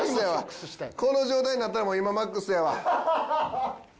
この状態になったらもう今マックスやわ。